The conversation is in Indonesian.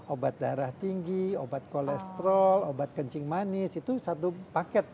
obat darah tinggi obat kolesterol obat kencing manis itu satu paket